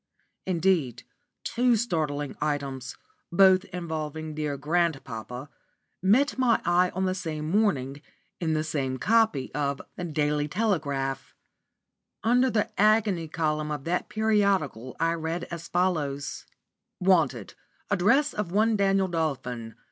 Indeed two startling items, both involving dear grandpapa, met my eye on the same morning, in the same copy of the Daily Telegraph. Under the "agony column" of that periodical I read as follows: "Wanted, address of one Daniel Dolphin.